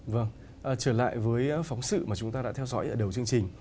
vâng trở lại với phóng sự mà chúng ta đã theo dõi ở đầu chương trình